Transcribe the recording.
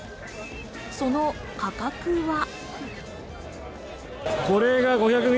その価格は。